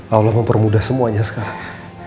allah mempermudah semuanya sekarang